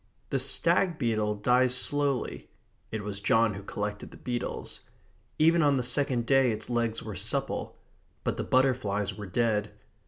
The stag beetle dies slowly (it was John who collected the beetles). Even on the second day its legs were supple. But the butterflies were dead.